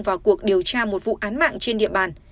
vào cuộc điều tra một vụ án mạng trên địa bàn